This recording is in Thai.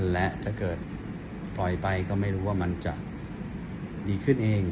และถ้าเกิดปล่อยไปก็ไม่รู้ว่ามันจะดีขึ้นเอง